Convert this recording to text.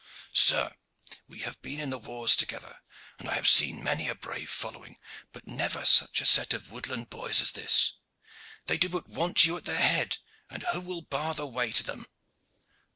Sir, we have been in the wars together, and I have seen many a brave following but never such a set of woodland boys as this. They do but want you at their head, and who will bar the way to them!"